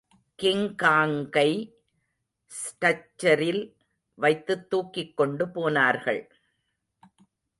கிங்காங்கை ஸ்டச்சரில் வைத்துத் தூக்கிக் கொண்டு போனார்கள்.